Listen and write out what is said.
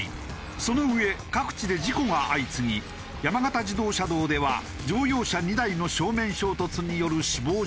その上各地で事故が相次ぎ山形自動車道では乗用車２台の正面衝突による死亡事故も。